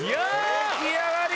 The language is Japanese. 出来上がり！